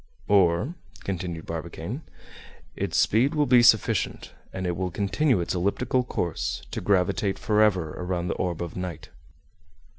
"Or," continued Barbicane, "its speed will be sufficient, and it will continue its elliptical course, to gravitate forever around the orb of night."